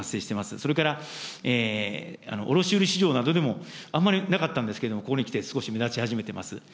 それから卸売市場などでも、あんまりなかったんですけども、ここにきて少し目立ち始めています。